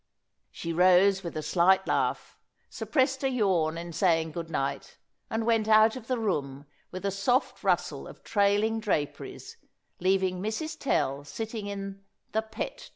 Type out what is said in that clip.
She rose, with a slight laugh, suppressed a yawn in saying good night, and went out of the room with a soft rustle of trailing draperies, leaving Mrs. Tell sitting in the "pet chair."